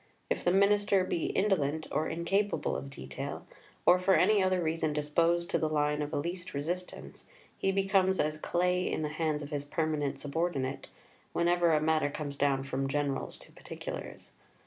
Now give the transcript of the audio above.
If the Minister be indolent, or incapable of detail, or for any other reason disposed to the line of least resistance, he becomes as clay in the hands of his permanent subordinate, whenever a matter comes down from generals to particulars.